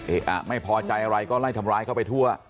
ไม่พอใจอะไรก็ไล่ทำร้ายเข้าไปทั่ว